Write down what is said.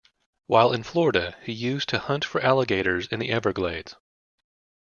While in Florida, he used to hunt for alligators in the Everglades.